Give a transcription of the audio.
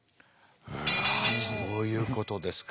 うわそういうことですか。